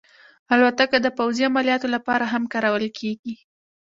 الوتکه د پوځي عملیاتو لپاره هم کارول کېږي.